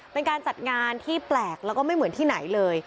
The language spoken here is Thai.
เป็นการจัดงานที่แปลกแล้วก็ไม่เหมือนที่ไหนเลย